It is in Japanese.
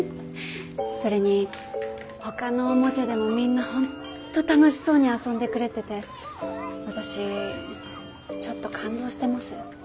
それにほかのおもちゃでもみんな本当楽しそうに遊んでくれてて私ちょっと感動してます。